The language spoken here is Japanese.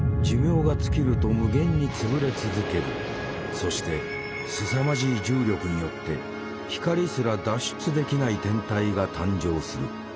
そしてすさまじい重力によって光すら脱出できない天体が誕生する。